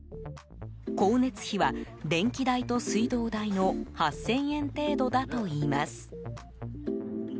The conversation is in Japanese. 光熱費は、電気代と水道代の８０００円程度だといいます。